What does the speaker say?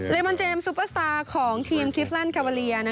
เรมอนเจมส์ซุปเปอร์สตาร์ของทีมคิฟแลนด์คาวาเรีย